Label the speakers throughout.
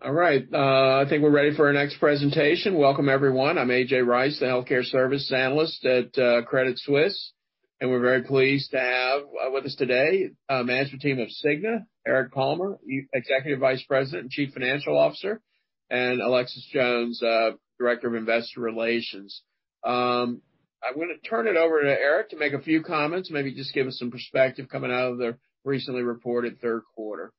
Speaker 1: All right. I think we're ready for our next presentation. Welcome, everyone. I'm A.J. Rice, the Healthcare Services Analyst at Credit Suisse, and we're very pleased to have with us today the management team of Cigna, Eric Palmer, Executive Vice President and Chief Financial Officer, and Alexis Jones, Director of Investor Relations. I'm going to turn it over to Eric to make a few comments, maybe just give us some perspective coming out of the recently reported third quarter.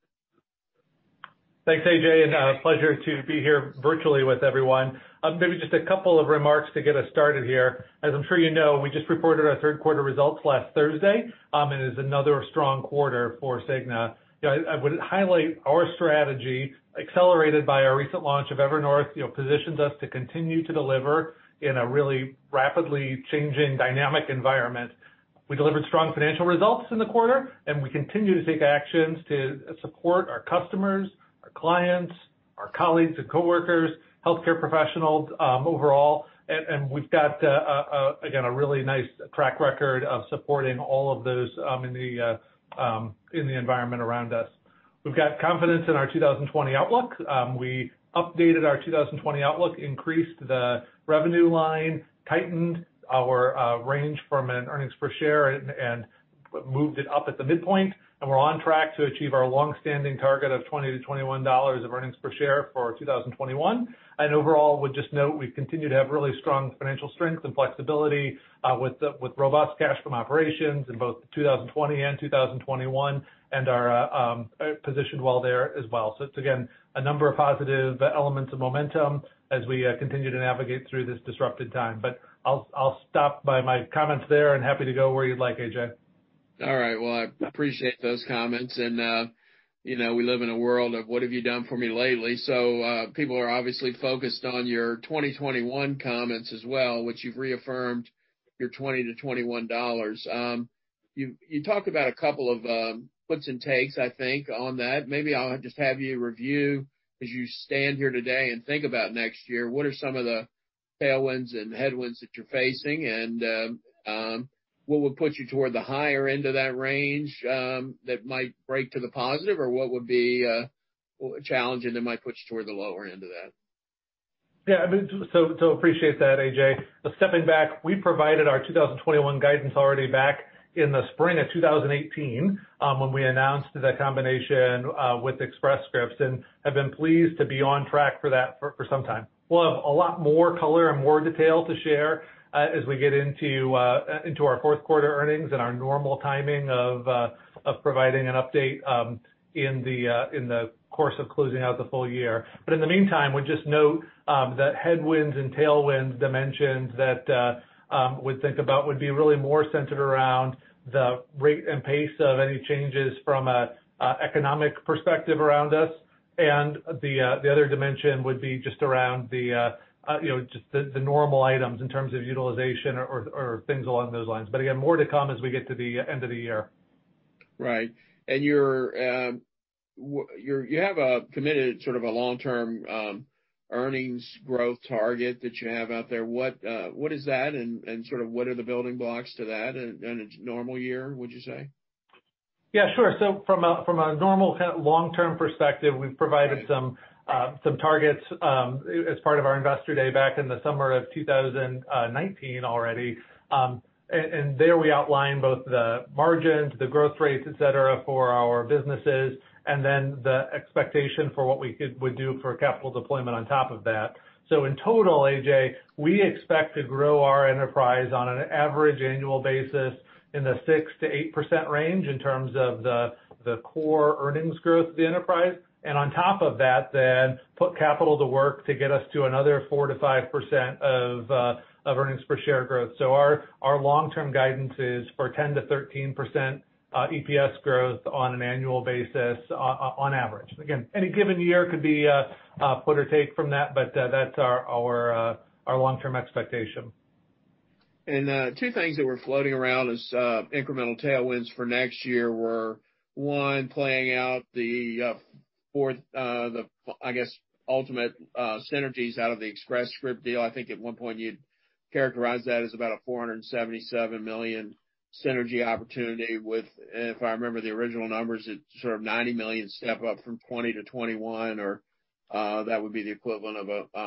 Speaker 2: Thanks, A.J. And a pleasure to be here virtually with everyone. Maybe just a couple of remarks to get us started here. As I'm sure you know, we just reported our third quarter results last Thursday, and it is another strong quarter for Cigna. I would highlight our strategy, accelerated by our recent launch of Evernorth, which positions us to continue to deliver in a really rapidly changing, dynamic environment. We delivered strong financial results in the quarter, and we continue to take actions to support our customers, our clients, our colleagues and coworkers, healthcare professionals overall. We've got, again, a really nice track record of supporting all of those in the environment around us. We've got confidence in our 2020 outlook. We updated our 2020 outlook, increased the revenue line, tightened our range from an earnings per share, and moved it up at the midpoint. We're on track to achieve our long-standing target of $20-$21 of earnings per share for 2021. Overall, we just note we continue to have really strong financial strength and flexibility with robust cash flow operations in both 2020 and 2021, and are positioned well there as well. It's, again, a number of positive elements of momentum as we continue to navigate through this disrupted time. I'll stop my comments there and happy to go where you'd like, A.J.
Speaker 1: All right. I appreciate those comments. You know we live in a world of "what have you done for me lately?" People are obviously focused on your 2021 comments as well, which you've reaffirmed your $20-$21. You talked about a couple of puts and takes, I think, on that. Maybe I'll just have you review, as you stand here today and think about next year, what are some of the tailwinds and headwinds that you're facing, and what would put you toward the higher end of that range that might break to the positive, or what would be challenging that might put you toward the lower end of that?
Speaker 2: Yeah, I mean, so appreciate that, A.J. Stepping back, we provided our 2021 guidance already back in the spring of 2018 when we announced the combination with Express Scripts and have been pleased to be on track for that for some time. We'll have a lot more color and more detail to share as we get into our fourth quarter earnings and our normal timing of providing an update in the course of closing out the full year. In the meantime, we just note the headwinds and tailwind dimensions that we think about would be really more centered around the rate and pace of any changes from an economic perspective around us. The other dimension would be just around the normal items in terms of utilization or things along those lines. Again, more to come as we get to the end of the year.
Speaker 1: Right. You have a committed sort of a long-term earnings growth target that you have out there. What is that, and what are the building blocks to that in a normal year, would you say?
Speaker 2: Yeah, sure. From a normal kind of long-term perspective, we've provided some targets as part of our Investor Day back in the summer of 2019 already. There we outlined both the margins, the growth rates, et cetera, for our businesses, and the expectation for what we would do for capital deployment on top of that. In total, A.J., we expect to grow our enterprise on an average annual basis in the 6%-8% range in terms of the core earnings growth of the enterprise. On top of that, put capital to work to get us to another 4%-5% of earnings per share growth. Our long-term guidance is for 10%-13% EPS growth on an annual basis on average. Again, any given year could be a put or take from that, but that's our long-term expectation.
Speaker 1: Two things that were floating around as incremental tailwinds for next year were, one, playing out the fourth, I guess, ultimate synergies out of the Express Scripts deal. I think at one point you'd characterize that as about a $477 million synergy opportunity with, if I remember the original numbers, it's sort of a $90 million step up from 2020 to 2021, or that would be the equivalent of a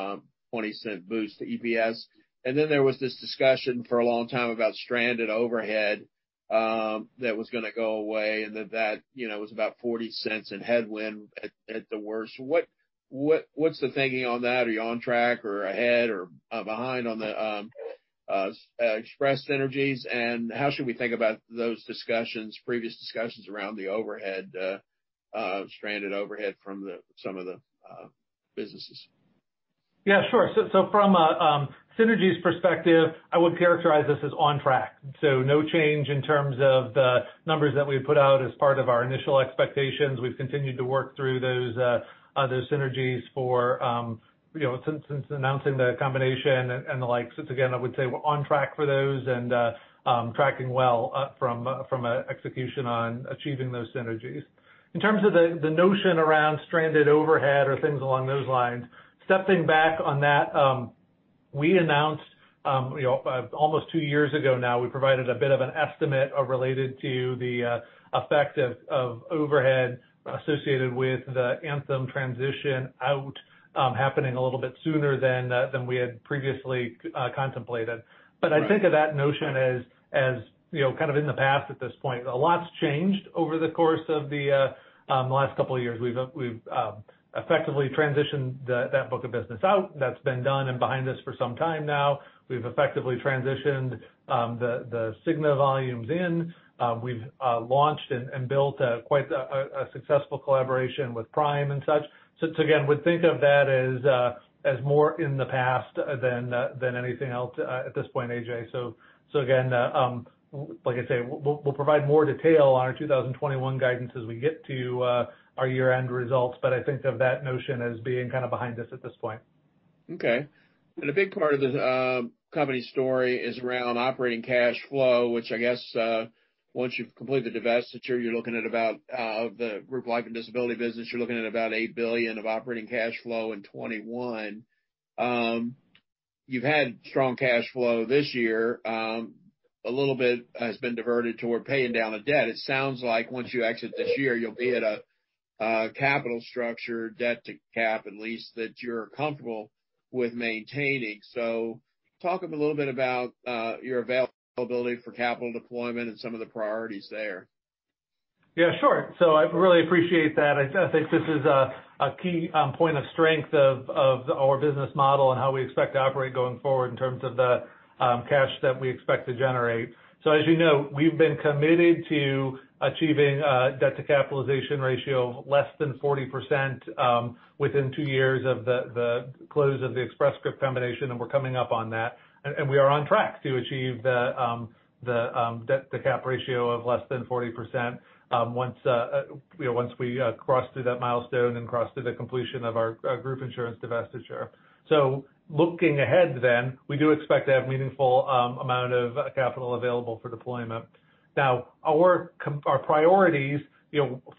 Speaker 1: $0.20 boost to EPS. There was this discussion for a long time about stranded overhead that was going to go away, and that was about a $0.40 headwind at the worst. What's the thinking on that? Are you on track or ahead or behind on the Express synergies? How should we think about those previous discussions around the stranded overhead from some of the businesses?
Speaker 2: Yeah, sure. From a synergies perspective, I would characterize this as on track. No change in terms of the numbers that we put out as part of our initial expectations. We've continued to work through those synergies since announcing the combination and the like. Again, I would say we're on track for those and tracking well from an execution on achieving those synergies. In terms of the notion around stranded overhead or things along those lines, stepping back on that, we announced almost two years ago now, we provided a bit of an estimate related to the effect of overhead associated with the Anthem transition out happening a little bit sooner than we had previously contemplated. I think of that notion as kind of in the past at this point. A lot's changed over the course of the last couple of years. We've effectively transitioned that book of business out. That's been done and behind us for some time now. We've effectively transitioned the Cigna volumes in. We've launched and built quite a successful collaboration with Prime and such. We think of that as more in the past than anything else at this point, A.J. So, like I say, we'll provide more detail on our 2021 guidance as we get to our year-end results. I think of that notion as being kind of behind us at this point.
Speaker 1: OK. A big part of this company story is around operating cash flow, which I guess once you've completed the divestiture of the group life and disability business, you're looking at about $8 billion of operating cash flow in 2021. You've had strong cash flow this year. A little bit has been diverted toward paying down debt. It sounds like once you exit this year, you'll be at a capital structure, debt to cap at least, that you're comfortable with maintaining. Talk to me a little bit about your availability for capital deployment and some of the priorities there.
Speaker 2: Yeah, sure. I really appreciate that. I think this is a key point of strength of our business model and how we expect to operate going forward in terms of the cash that we expect to generate. As you know, we've been committed to achieving a debt to capitalization ratio of less than 40% within two years of the close of the Express Scripts combination, and we're coming up on that. We are on track to achieve the debt to cap ratio of less than 40% once we cross through that milestone and cross through the completion of our group insurance divestiture. Looking ahead, we do expect to have a meaningful amount of capital available for deployment. Our priorities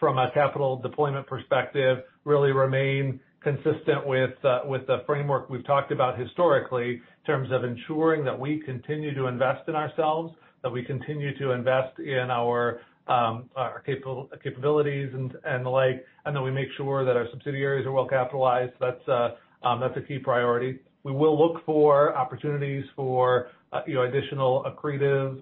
Speaker 2: from a capital deployment perspective really remain consistent with the framework we've talked about historically in terms of ensuring that we continue to invest in ourselves, that we continue to invest in our capabilities and the like, and that we make sure that our subsidiaries are well capitalized. That's a key priority. We will look for opportunities for additional accretive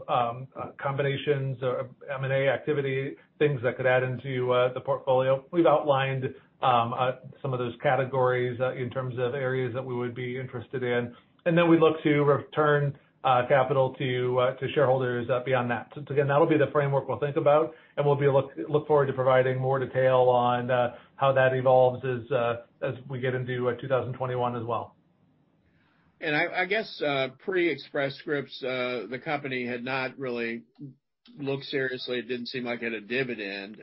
Speaker 2: combinations or M&A activity, things that could add into the portfolio. We've outlined some of those categories in terms of areas that we would be interested in. We look to return capital to shareholders beyond that. Again, that'll be the framework we'll think about, and we'll look forward to providing more detail on how that evolves as we get into 2021 as well.
Speaker 1: I guess pre-Express Scripts, the company had not really looked seriously. It didn't seem like it had a dividend.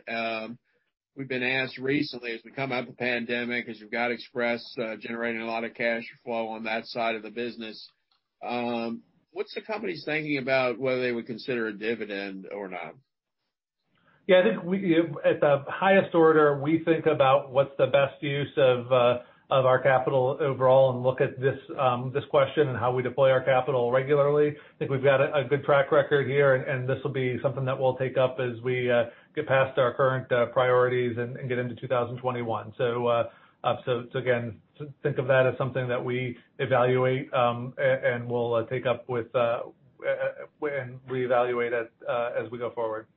Speaker 1: We've been asked recently, as we come out of the pandemic, as you've got Express generating a lot of cash flow on that side of the business, what's the company's thinking about whether they would consider a dividend or not?
Speaker 2: I think at the highest order, we think about what's the best use of our capital overall and look at this question and how we deploy our capital regularly. I think we've got a good track record here, and this will be something that we'll take up as we get past our current priorities and get into 2021. Think of that as something that we evaluate and we'll take up and reevaluate as we go forward.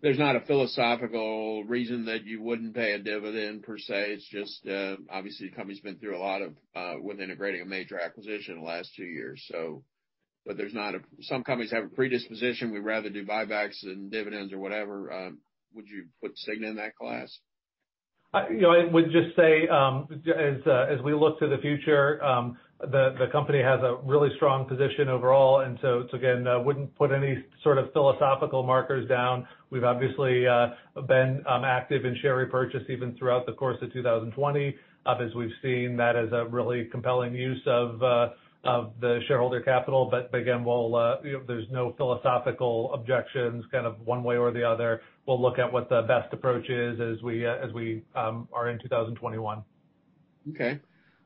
Speaker 1: There's not a philosophical reason that you wouldn't pay a dividend per se. It's just obviously the company's been through a lot with integrating a major acquisition in the last two years. Some companies have a predisposition, we'd rather do buybacks than dividends or whatever. Would you put Cigna in that class?
Speaker 2: I would just say, as we look to the future, the company has a really strong position overall. I wouldn't put any sort of philosophical markers down. We've obviously been active in share repurchase even throughout the course of 2020, as we've seen that as a really compelling use of the shareholder capital. There's no philosophical objections, kind of one way or the other. We'll look at what the best approach is as we are in 2021.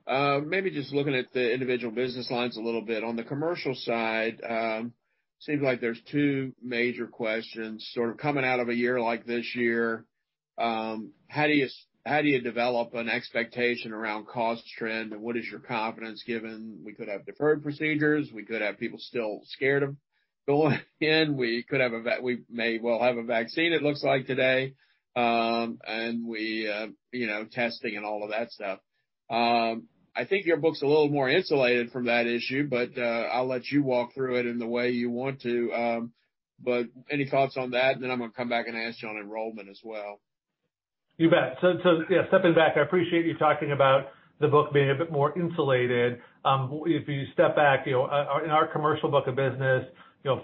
Speaker 1: OK. Maybe just looking at the individual business lines a little bit. On the commercial side, it seems like there's two major questions sort of coming out of a year like this year. How do you develop an expectation around cost trend, and what is your confidence given we could have deferred procedures, we could have people still scared of going in, we may well have a vaccine, it looks like today, and we testing and all of that stuff? I think your book's a little more insulated from that issue, but I'll let you walk through it in the way you want to. Any thoughts on that? I'm going to come back and ask you on enrollment as well.
Speaker 2: You bet. Stepping back, I appreciate you talking about the book being a bit more insulated. If you step back, in our commercial book of business,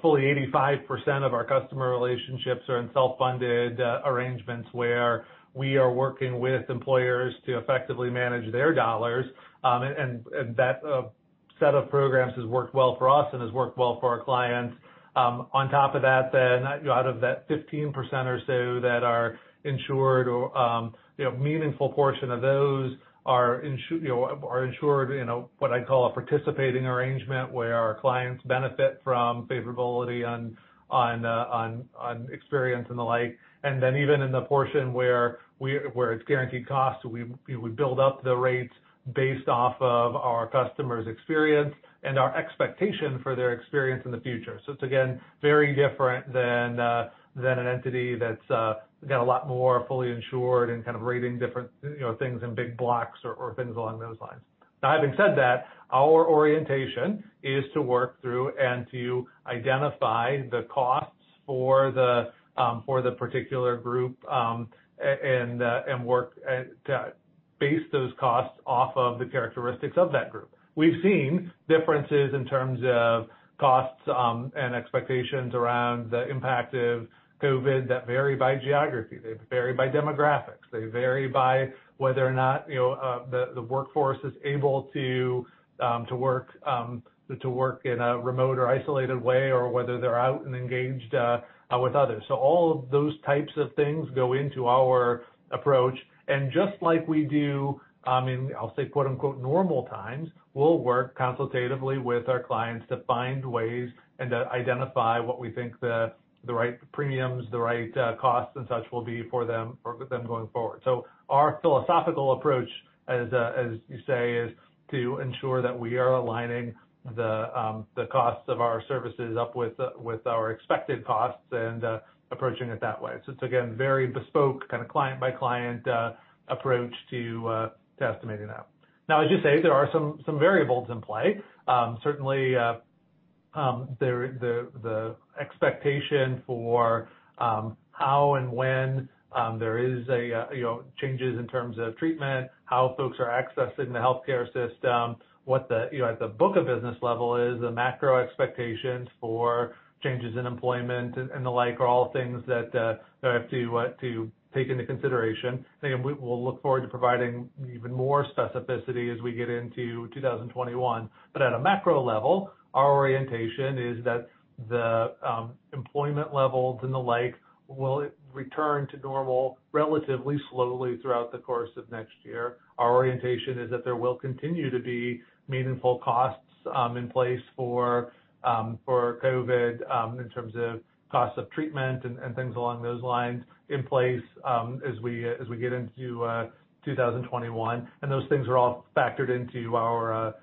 Speaker 2: fully 85% of our customer relationships are in self-funded arrangements where we are working with employers to effectively manage their dollars. That set of programs has worked well for us and has worked well for our clients. On top of that, out of that 15% or so that are insured, a meaningful portion of those are insured in what I'd call a participating arrangement where our clients benefit from favorability on experience and the like. Even in the portion where it's guaranteed cost, we build up the rates based off of our customers' experience and our expectation for their experience in the future. It's, again, very different than an entity that's got a lot more fully insured and kind of rating different things in big blocks or things along those lines. Our orientation is to work through and to identify the costs for the particular group and work to base those costs off of the characteristics of that group. We've seen differences in terms of costs and expectations around the impact of COVID that vary by geography. They vary by demographics. They vary by whether or not the workforce is able to work in a remote or isolated way or whether they're out and engaged with others. All of those types of things go into our approach. Just like we do in, I'll say, quote unquote, "normal times," we'll work consultatively with our clients to find ways and to identify what we think the right premiums, the right costs, and such will be for them going forward. Our philosophical approach, as you say, is to ensure that we are aligning the costs of our services up with our expected costs and approaching it that way. It's, again, a very bespoke kind of client-by-client approach to estimating that. As you say, there are some variables in play. Certainly, the expectation for how and when there are changes in terms of treatment, how folks are accessing the healthcare system, what the book of business level is, the macro expectations for changes in employment and the like are all things that I have to take into consideration. We'll look forward to providing even more specificity as we get into 2021. At a macro level, our orientation is that the employment levels and the like will return to normal relatively slowly throughout the course of next year. Our orientation is that there will continue to be meaningful costs in place for COVID in terms of costs of treatment and things along those lines in place as we get into 2021. Those things are all factored into our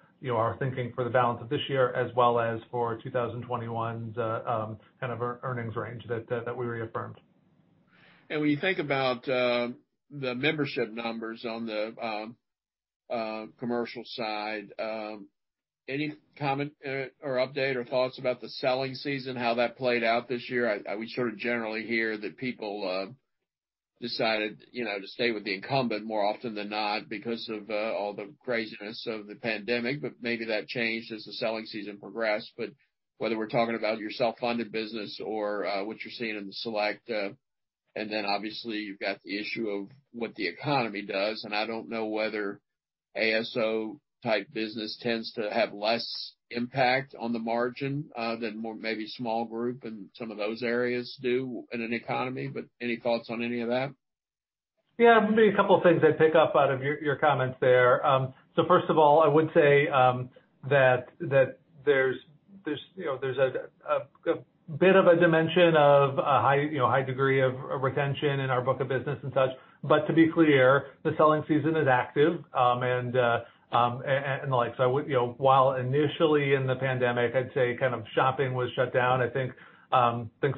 Speaker 2: thinking for the balance of this year as well as for 2021's kind of earnings range that we reaffirmed.
Speaker 1: When you think about the membership numbers on the commercial side, any comment or update or thoughts about the selling season, how that played out this year? We generally hear that people decided to stay with the incumbent more often than not because of all the craziness of the pandemic, but maybe that changed as the selling season progressed. Whether we're talking about your self-funded business or what you're seeing in the select, obviously you've got the issue of what the economy does. I don't know whether ASO-type business tends to have less impact on the margin than maybe small group and some of those areas do in an economy. Any thoughts on any of that?
Speaker 2: Yeah, I'm going to do a couple of things I'd pick up out of your comments there. First of all, I would say that there's a bit of a dimension of a high degree of retention in our book of business and such. To be clear, the selling season is active and the like. While initially in the pandemic, I'd say kind of shopping was shut down, I think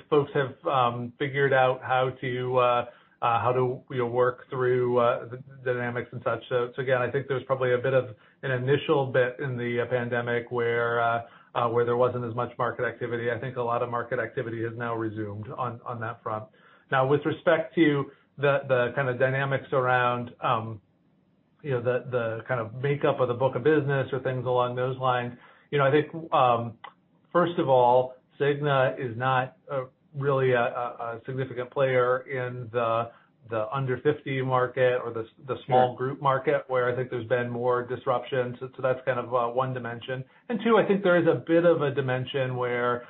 Speaker 2: folks have figured out how to work through the dynamics and such. I think there's probably a bit of an initial bit in the pandemic where there wasn't as much market activity. I think a lot of market activity has now resumed on that front. Now, with respect to the kind of dynamics around the kind of makeup of the book of business or things along those lines, I think first of all, Cigna is not really a significant player in the under 50 market or the small group market where I think there's been more disruption. That's kind of one dimension. Two, I think there is a bit of a dimension where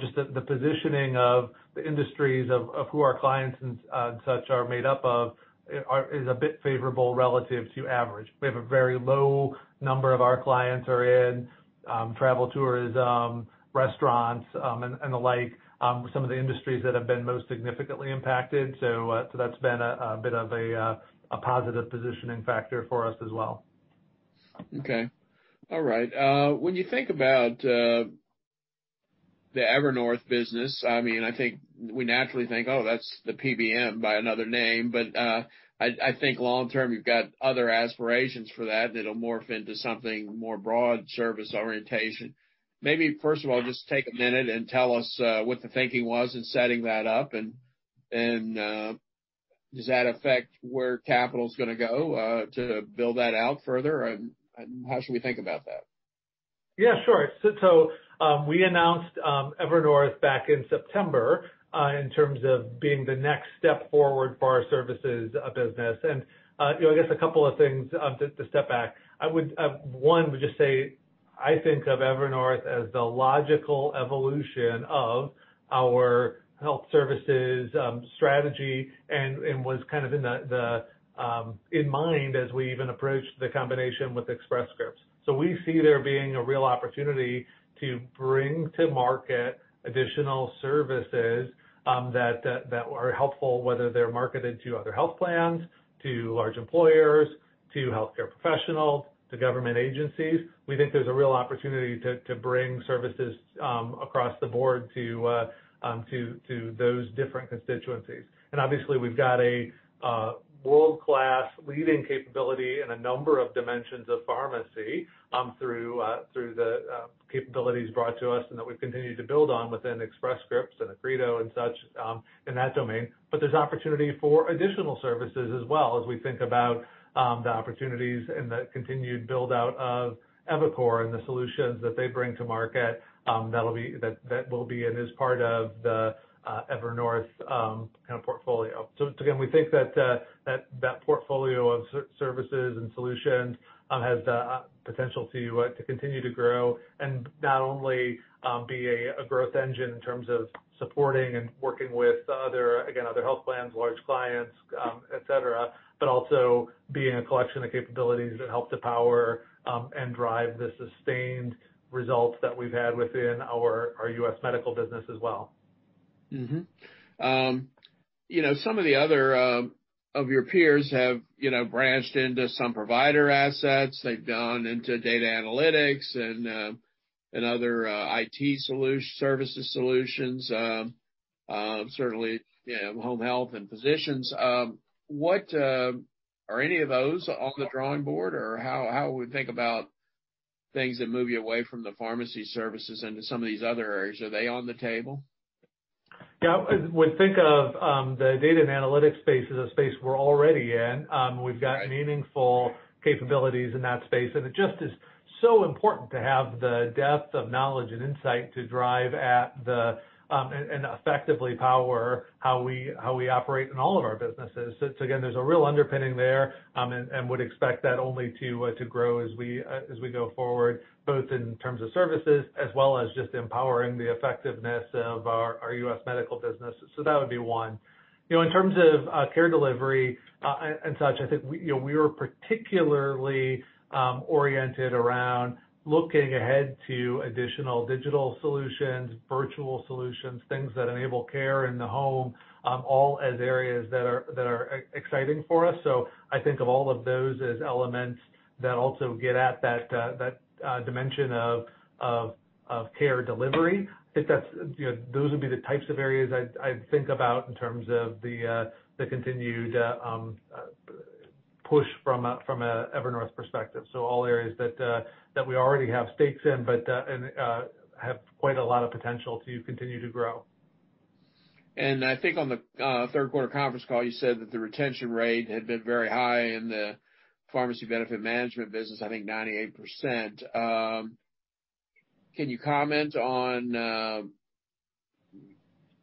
Speaker 2: just the positioning of the industries of who our clients and such are made up of is a bit favorable relative to average. We have a very low number of our clients who are in travel, tourism, restaurants, and the like, some of the industries that have been most significantly impacted. That's been a bit of a positive positioning factor for us as well.
Speaker 1: OK. All right. When you think about the Evernorth business, I mean, I think we naturally think, oh, that's the PBM by another name. I think long term, you've got other aspirations for that that'll morph into something more broad service orientation. Maybe first of all, just take a minute and tell us what the thinking was in setting that up. Does that affect where capital is going to go to build that out further? How should we think about that?
Speaker 2: Yeah, sure. We announced Evernorth back in September in terms of being the next step forward for our services business. A couple of things to step back. One, would just say I think of Evernorth as the logical evolution of our health services strategy and was kind of in mind as we even approached the combination with Express Scripts. We see there being a real opportunity to bring to market additional services that are helpful, whether they're marketed to other health plans, to large employers, to healthcare professionals, to government agencies. We think there's a real opportunity to bring services across the board to those different constituencies. Obviously, we've got a world-class leading capability in a number of dimensions of pharmacy through the capabilities brought to us and that we've continued to build on within Express Scripts and Accredo and such in that domain. There's opportunity for additional services as well as we think about the opportunities and the continued build-out of EviCore and the solutions that they bring to market that will be in as part of the Evernorth kind of portfolio. We think that that portfolio of services and solutions has the potential to continue to grow and not only be a growth engine in terms of supporting and working with, again, other health plans, large clients, et cetera, but also being a collection of capabilities that help to power and drive the sustained results that we've had within our U.S. medical business as well.
Speaker 1: Some of the other of your peers have branched into some provider assets. They've gone into data analytics and other IT services solutions, certainly home health and physicians. Are any of those on the drawing board? How would we think about things that move you away from the pharmacy services into some of these other areas? Are they on the table?
Speaker 2: Yeah, I would think of the data and analytics space as a space we're already in. We've got meaningful capabilities in that space, and it just is so important to have the depth of knowledge and insight to drive at and effectively power how we operate in all of our businesses. There's a real underpinning there and would expect that only to grow as we go forward, both in terms of services as well as just empowering the effectiveness of our U.S. medical business. That would be one. In terms of care delivery and such, I think we are particularly oriented around looking ahead to additional digital solutions, virtual solutions, things that enable care in the home, all as areas that are exciting for us. I think of all of those as elements that also get at that dimension of care delivery. Those would be the types of areas I'd think about in terms of the continued push from an Evernorth perspective. All areas that we already have stakes in but have quite a lot of potential to continue to grow.
Speaker 1: I think on the third quarter conference call, you said that the retention rate had been very high in the pharmacy benefit management business, I think 98%. Can you comment on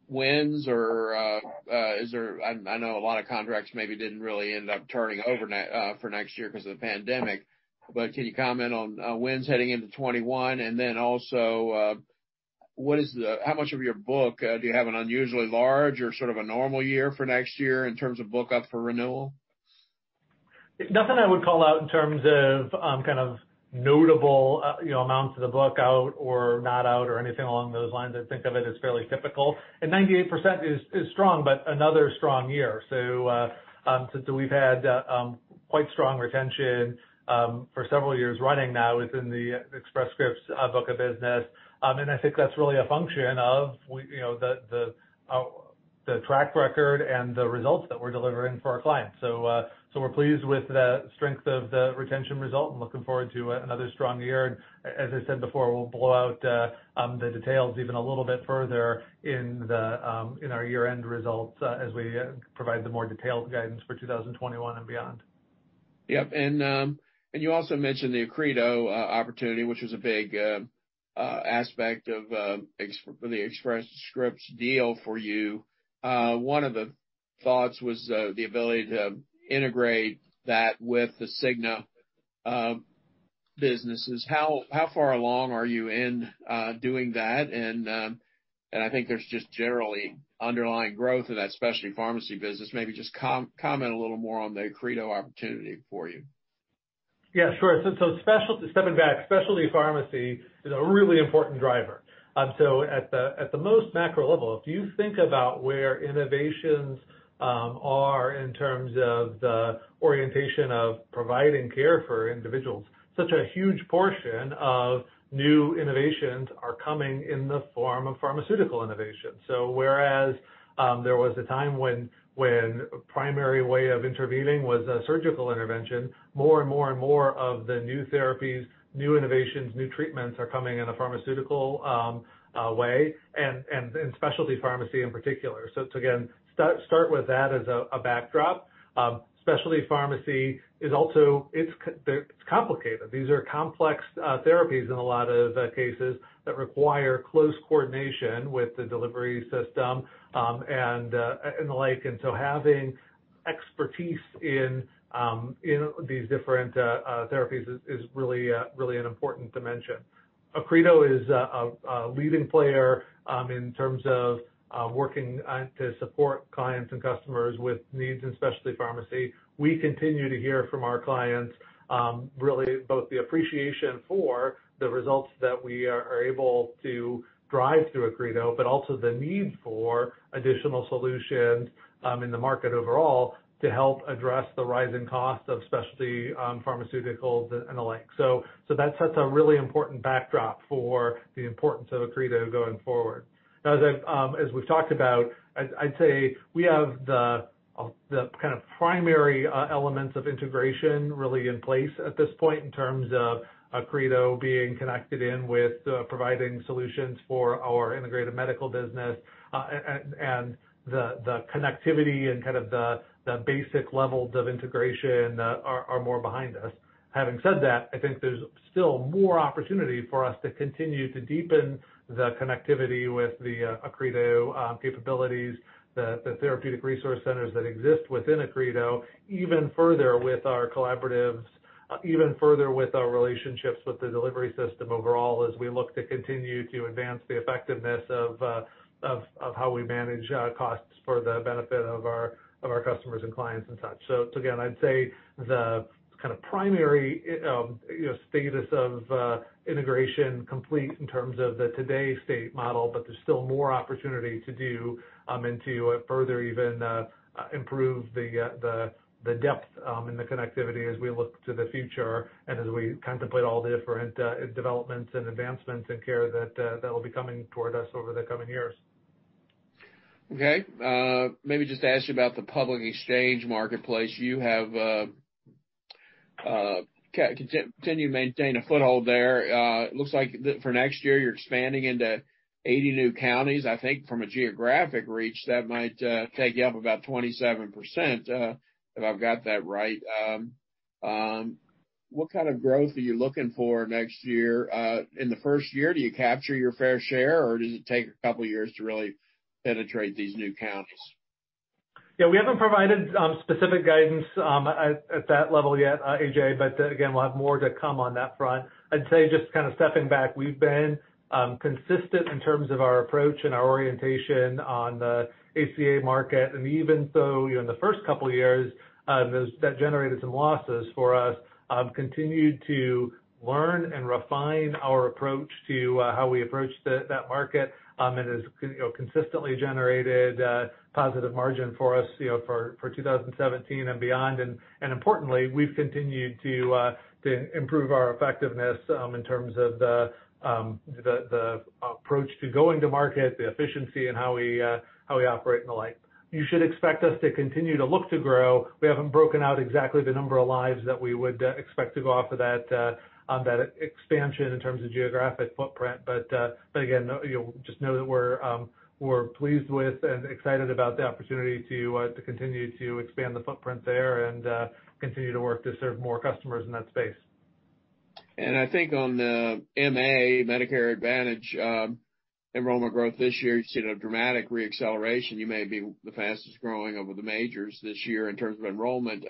Speaker 1: wins? I know a lot of contracts maybe didn't really end up turning over for next year because of the pandemic. Can you comment on wins heading into 2021? Also, how much of your book do you have an unusually large or sort of a normal year for next year in terms of book out for renewal?
Speaker 2: Nothing I would call out in terms of notable amounts of the book out or not out or anything along those lines. I think of it as fairly typical. 98% is strong, another strong year. We've had quite strong retention for several years running now within the Express Scripts book of business. I think that's really a function of the track record and the results that we're delivering for our clients. We're pleased with the strength of the retention result and looking forward to another strong year. As I said before, we'll blow out the details even a little bit further in our year-end results as we provide the more detailed guidance for 2021 and beyond.
Speaker 1: Yep. You also mentioned the Accredo opportunity, which was a big aspect of the Express Scripts deal for you. One of the thoughts was the ability to integrate that with the Cigna businesses. How far along are you in doing that? I think there's just generally underlying growth in that, especially pharmacy business. Maybe just comment a little more on the Accredo opportunity for you.
Speaker 2: Yeah, sure. Stepping back, specialty pharmacy is a really important driver. At the most macro level, if you think about where innovations are in terms of the orientation of providing care for individuals, such a huge portion of new innovations are coming in the form of pharmaceutical innovations. Whereas there was a time when the primary way of intervening was a surgical intervention, more and more of the new therapies, new innovations, new treatments are coming in a pharmaceutical way and in specialty pharmacy in particular. Start with that as a backdrop. Specialty pharmacy is also complicated. These are complex therapies in a lot of cases that require close coordination with the delivery system and the like. Having expertise in these different therapies is really an important dimension. Accredo is a leading player in terms of working to support clients and customers with needs in specialty pharmacy. We continue to hear from our clients both the appreciation for the results that we are able to drive through Accredo, but also the need for additional solutions in the market overall to help address the rising cost of specialty pharmaceuticals and the like. That sets a really important backdrop for the importance of Accredo going forward. As we've talked about, I'd say we have the kind of primary elements of integration really in place at this point in terms of Accredo being connected in with providing solutions for our integrated medical business. The connectivity and the basic levels of integration are more behind us. Having said that, I think there's still more opportunity for us to continue to deepen the connectivity with the Accredo capabilities, the therapeutic resource centers that exist within Accredo, even further with our collaboratives, even further with our relationships with the delivery system overall as we look to continue to advance the effectiveness of how we manage costs for the benefit of our customers and clients and such. I'd say the kind of primary status of integration is complete in terms of the today state model, but there's still more opportunity to do and to further even improve the depth and the connectivity as we look to the future and as we contemplate all the different developments and advancements in care that will be coming toward us over the coming years.
Speaker 1: OK. Maybe just to ask you about the public exchange marketplace, you continue to maintain a foothold there. It looks like for next year, you're expanding into 80 new counties. I think from a geographic reach, that might take you up about 27%, if I've got that right. What kind of growth are you looking for next year? In the first year, do you capture your fair share, or does it take a couple of years to really penetrate these new counties?
Speaker 2: Yeah, we haven't provided specific guidance at that level yet, A.J. But again, we'll have more to come on that front. I'd say just kind of stepping back, we've been consistent in terms of our approach and our orientation on the ACA market. Even though in the first couple of years, that generated some losses for us, we've continued to learn and refine our approach to how we approach that market and has consistently generated positive margin for us for 2017 and beyond. Importantly, we've continued to improve our effectiveness in terms of the approach to going to market, the efficiency, and how we operate and the like. You should expect us to continue to look to grow. We haven't broken out exactly the number of lives that we would expect to go off of that expansion in terms of geographic footprint. Again, just know that we're pleased with and excited about the opportunity to continue to expand the footprint there and continue to work to serve more customers in that space.
Speaker 1: On the Medicare Advantage enrollment growth this year, you've seen a dramatic reacceleration. You may be the fastest growing of the majors this year in terms of enrollment.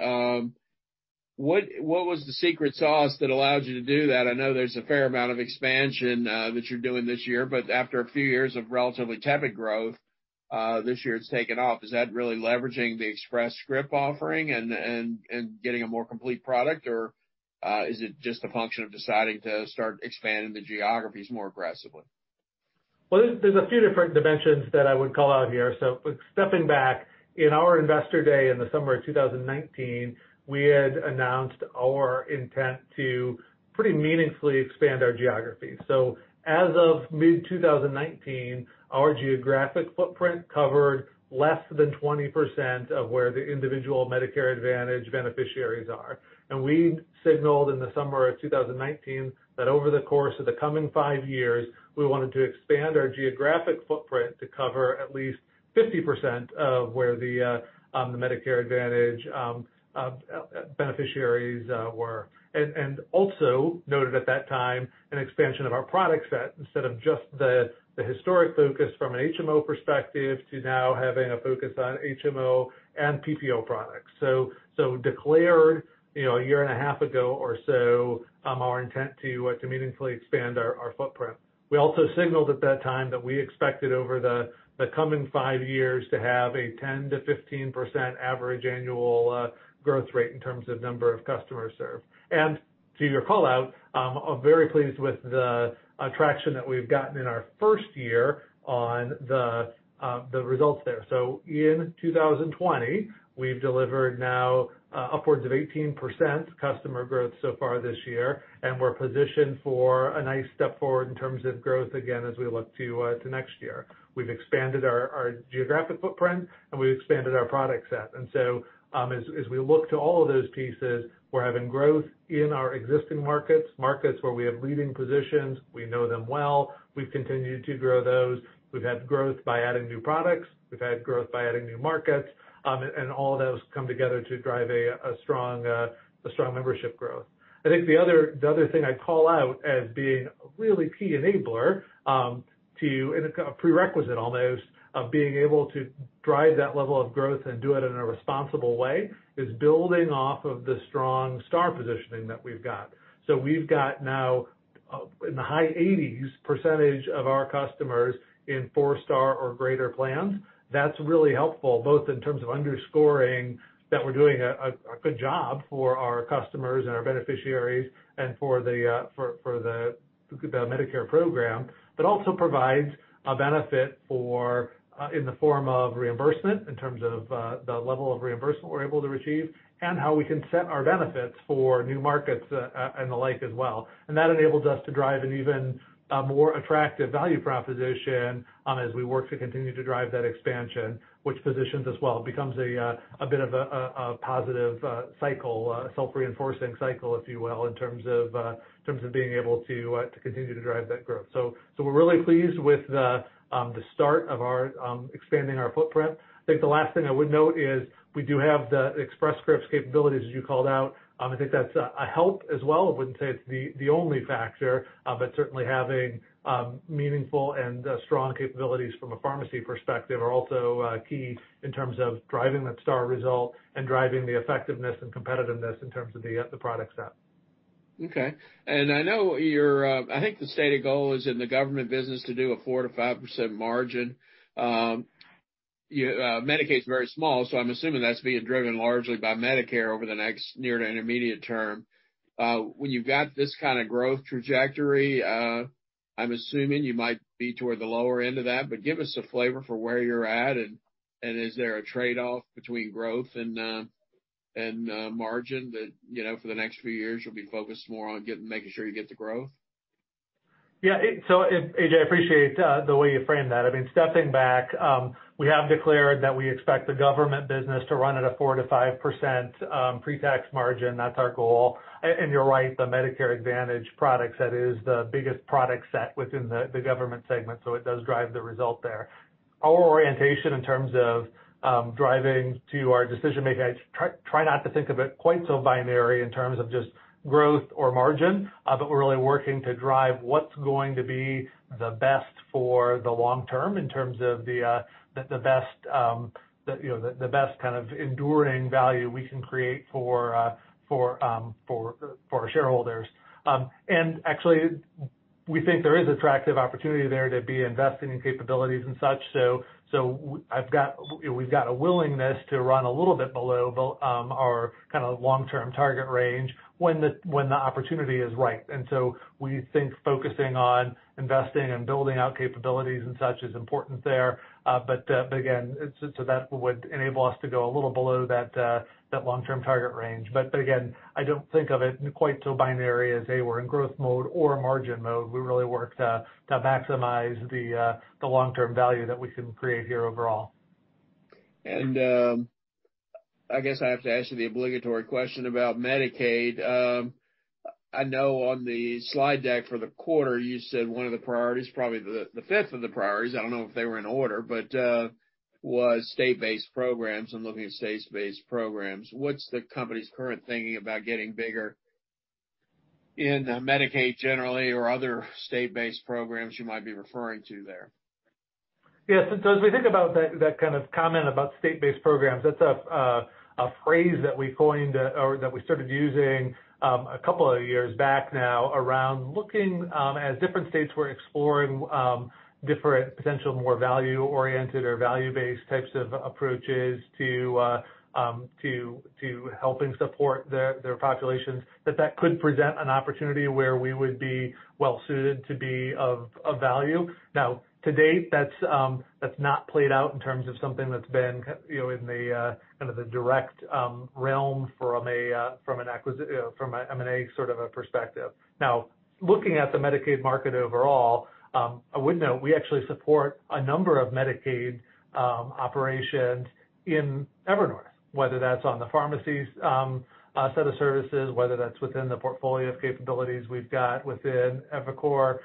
Speaker 1: What was the secret sauce that allowed you to do that? I know there's a fair amount of expansion that you're doing this year. After a few years of relatively tepid growth, this year it's taken off. Is that really leveraging the Express Scripts offering and getting a more complete product, or is it just a function of deciding to start expanding the geographies more aggressively?
Speaker 2: There are a few different dimensions that I would call out here. Stepping back, in our Investor Day in the summer of 2019, we had announced our intent to pretty meaningfully expand our geography. As of mid-2019, our geographic footprint covered less than 20% of where the individual Medicare Advantage beneficiaries are. We signaled in the summer of 2019 that over the course of the coming five years, we wanted to expand our geographic footprint to cover at least 50% of where the Medicare Advantage beneficiaries were. We also noted at that time an expansion of our product set instead of just the historic focus from an HMO perspective to now having a focus on HMO and PPO products. Declared a year and a half ago or so, our intent to meaningfully expand our footprint. We also signaled at that time that we expected over the coming five years to have a 10%-15% average annual growth rate in terms of number of customers served. To your call out, I'm very pleased with the traction that we've gotten in our first year on the results there. In 2020, we've delivered now upwards of 18% customer growth so far this year. We're positioned for a nice step forward in terms of growth again as we look to next year. We've expanded our geographic footprint, and we've expanded our product set. As we look to all of those pieces, we're having growth in our existing markets, markets where we have leading positions. We know them well. We've continued to grow those. We've had growth by adding new products. We've had growth by adding new markets. All of those come together to drive a strong membership growth. I think the other thing I'd call out as being a really key enabler, a prerequisite almost of being able to drive that level of growth and do it in a responsible way, is building off of the strong star positioning that we've got. We've got now in the high 80s percentage of our customers in four-star or greater plans. That's really helpful both in terms of underscoring that we're doing a good job for our customers and our beneficiaries and for the Medicare program, but also provides a benefit in the form of reimbursement in terms of the level of reimbursement we're able to achieve and how we can set our benefits for new markets and the like as well. That enables us to drive an even more attractive value proposition as we work to continue to drive that expansion, which positions us well and becomes a bit of a positive cycle, a self-reinforcing cycle, if you will, in terms of being able to continue to drive that growth. We're really pleased with the start of expanding our footprint. The last thing I would note is we do have the Express Scripts capabilities that you called out. I think that's a help as well. I wouldn't say it's the only factor, but certainly having meaningful and strong capabilities from a pharmacy perspective are also key in terms of driving that star result and driving the effectiveness and competitiveness in terms of the product set.
Speaker 1: OK. I know your, I think the stated goal is in the government business to do a 4%-5% margin. Medicaid is very small, so I'm assuming that's being driven largely by Medicare over the next near to intermediate term. When you've got this kind of growth trajectory, I'm assuming you might be toward the lower end of that. Give us a flavor for where you're at. Is there a trade-off between growth and margin that for the next few years you'll be focused more on making sure you get the growth?
Speaker 2: Yeah. So A.J., I appreciate the way you framed that. I mean, stepping back, we have declared that we expect the government business to run at a 4%-5% pre-tax margin. That's our goal. You're right, the Medicare Advantage product set is the biggest product set within the government segment. It does drive the result there. Our orientation in terms of driving to our decision making, I try not to think of it quite so binary in terms of just growth or margin, but we're really working to drive what's going to be the best for the long term in terms of the best kind of enduring value we can create for our shareholders. Actually, we think there is attractive opportunity there to be investing in capabilities and such. We've got a willingness to run a little bit below our kind of long-term target range when the opportunity is right. We think focusing on investing and building out capabilities and such is important there. That would enable us to go a little below that long-term target range. I don't think of it quite so binary as, hey, we're in growth mode or margin mode. We really work to maximize the long-term value that we can create here overall.
Speaker 1: I have to ask you the obligatory question about Medicaid. I know on the slide deck for the quarter, you said one of the priorities, probably the fifth of the priorities, I don't know if they were in order, but was state-based programs. I'm looking at state-based programs. What's the company's current thinking about getting bigger in Medicaid generally, or other state-based programs you might be referring to there?
Speaker 2: Yeah, as we think about that kind of comment about state-based programs, that's a phrase that we coined or that we started using a couple of years back now around looking at different states exploring different potential more value-oriented or value-based types of approaches to helping support their populations, that could present an opportunity where we would be well suited to be of value. To date, that's not played out in terms of something that's been in the direct realm from an M&A perspective. Looking at the Medicaid market overall, I would note we actually support a number of Medicaid operations in Evernorth, whether that's on the pharmacy set of services or within the portfolio of capabilities we've got within EviCore.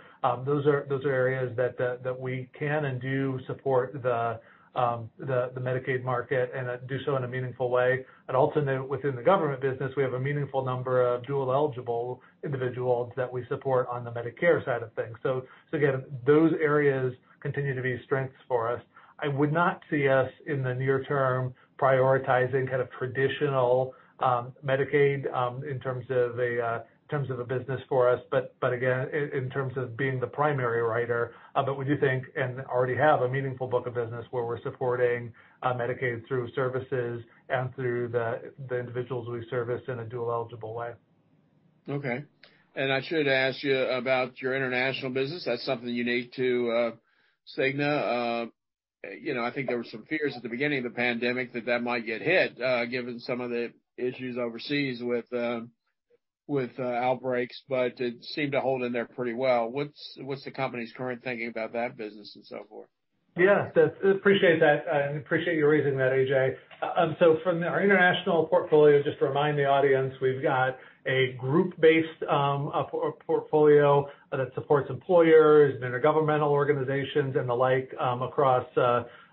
Speaker 2: Those are areas that we can and do support the Medicaid market and do so in a meaningful way. I'd also note within the government business, we have a meaningful number of dual eligible individuals that we support on the Medicare side of things. Those areas continue to be strengths for us. I would not see us in the near term prioritizing traditional Medicaid in terms of a business for us, in terms of being the primary writer. We do think and already have a meaningful book of business where we're supporting Medicaid through services and through the individuals we service in a dual eligible way.
Speaker 1: OK. I should ask you about your international business. That's something unique to Cigna. I think there were some fears at the beginning of the pandemic that that might get hit given some of the issues overseas with outbreaks, but it seemed to hold in there pretty well. What's the company's current thinking about that business and so forth?
Speaker 2: I appreciate that. I appreciate your raising that, A.J. From our international portfolio, just to remind the audience, we've got a group-based portfolio that supports employers and intergovernmental organizations and the like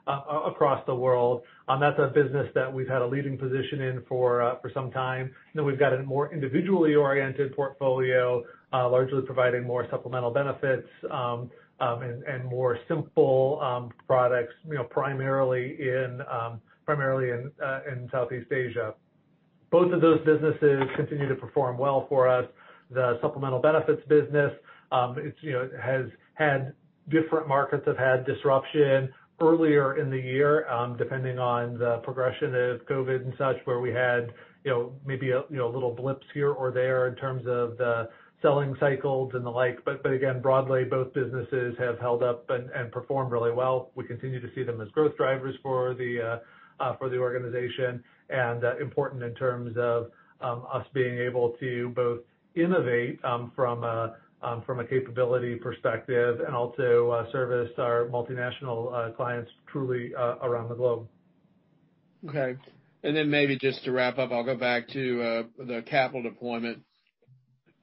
Speaker 2: across the world. That's a business that we've had a leading position in for some time. We've got a more individually oriented portfolio, largely providing more supplemental benefits and more simple products, primarily in Southeast Asia. Both of those businesses continue to perform well for us. The supplemental benefits business has had different markets that have had disruption earlier in the year, depending on the progression of COVID and such, where we had maybe little blips here or there in terms of the selling cycles and the like. Again, broadly, both businesses have held up and performed really well. We continue to see them as growth drivers for the organization and important in terms of us being able to both innovate from a capability perspective and also service our multinational clients truly around the globe.
Speaker 1: OK. Maybe just to wrap up, I'll go back to the capital deployment.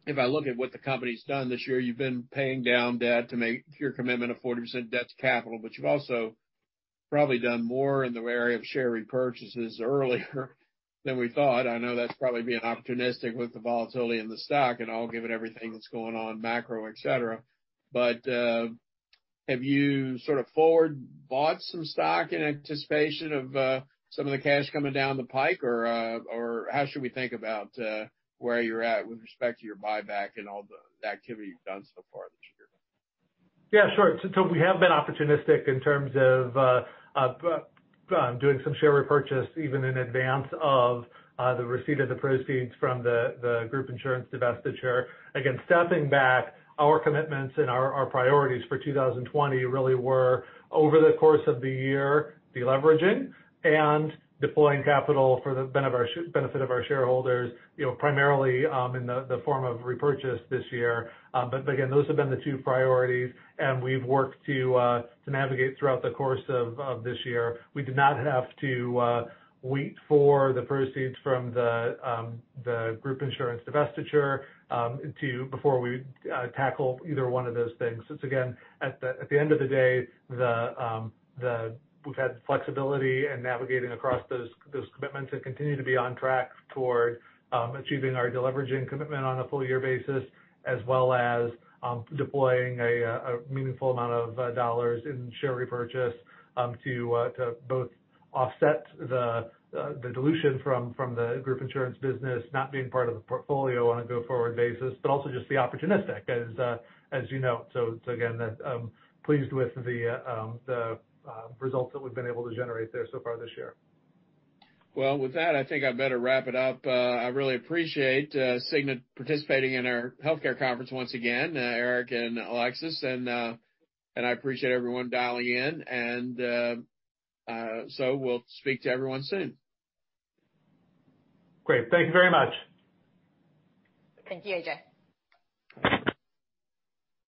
Speaker 1: If I look at what the company's done this year, you've been paying down debt to make your commitment of 40% debt to capital. You've also probably done more in the way of share repurchases earlier than we thought. I know that's probably being opportunistic with the volatility in the stock and all given everything that's going on macro, et cetera. Have you sort of forward bought some stock in anticipation of some of the cash coming down the pike? How should we think about where you're at with respect to your buyback and all the activity you've done so far this year?
Speaker 2: Yeah, sure. We have been opportunistic in terms of doing some share repurchase even in advance of the receipt of the proceeds from the group insurance divestiture. Stepping back, our commitments and our priorities for 2020 really were, over the course of the year, deleveraging and deploying capital for the benefit of our shareholders, primarily in the form of repurchase this year. Those have been the two priorities, and we've worked to navigate throughout the course of this year. We did not have to wait for the proceeds from the group insurance divestiture before we tackle either one of those things. At the end of the day, we've had flexibility in navigating across those commitments and continue to be on track toward achieving our deleveraging commitment on a full-year basis, as well as deploying a meaningful amount of dollars in share repurchase to both offset the dilution from the group insurance business not being part of the portfolio on a go-forward basis, but also just be opportunistic, as you note. I'm pleased with the results that we've been able to generate there so far this year.
Speaker 1: I think I better wrap it up. I really appreciate Cigna participating in our Healthcare Conference once again, Eric and Alexis. I appreciate everyone dialing in, and we'll speak to everyone soon.
Speaker 2: Great. Thank you very much.
Speaker 3: Thank you, A.J.